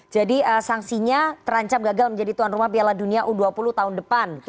jadi sanksinya terancam gagal menjadi tuan rumah piala dunia u dua puluh tahun depan